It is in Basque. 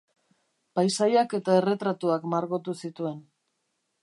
Paisaiak eta erretratuak margotu zituen.